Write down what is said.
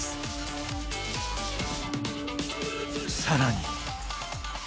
更に！